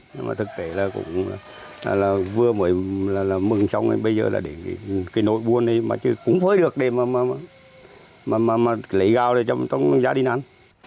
nhưng mà thực tế là vừa mới mừng xong bây giờ là để cái nỗi buồn này mà chứ cũng phơi được để mà lấy gạo cho gia đình ăn